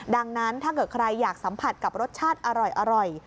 ดังนั้นถ้าเกิดใครอยากสัมผัสกับรสชาติอร่อย